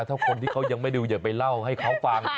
ถ้าคนที่เขายังไม่ดูอย่าไปเล่าให้เขาฟัง